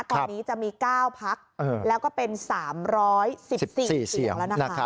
ตอนนี้จะมี๙พักแล้วก็เป็น๓๑๔เสียงแล้วนะคะ